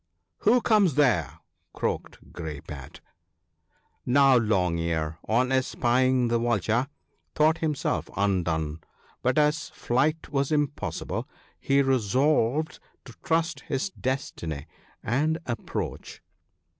" Who comes there ?" croaked Grey pate. ' Now Long ear, on espying the Vulture, thought him self undone ; but as flight was impossible, he resolved to trust his destiny, and approach.